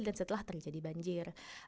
dan setelah terjadi banjir